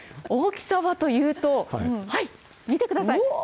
大きさはというと、見てください。